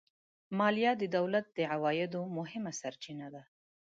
مالیه د دولت د عوایدو مهمه سرچینه ده